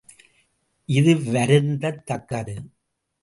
இது வருந்தத் தக்கது!